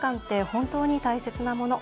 本当に大切なもの。